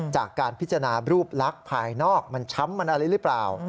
จากการพิจารณารูปลักษณ์ภายนอกมันช้ำมันอะไรหรือเปล่า